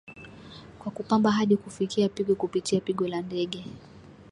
kwa kupamba hadi kufikia pigo kupitia pigo la ndege